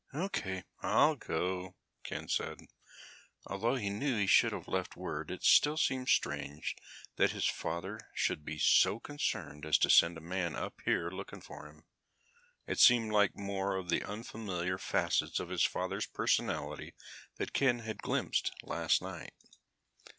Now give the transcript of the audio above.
"Okay, I'll go," Ken said. Although he knew he should have left word it still seemed strange that his father should be so concerned as to send a man up here looking for him. It seemed like more of the unfamiliar facets of his father's personality that Ken had glimpsed last night.